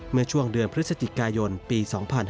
เมื่อช่วงเดือนพฤศจิกายนปี๒๕๕๙